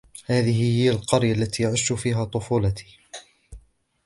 هذه هي القرية التي عشت فيها طفولتي.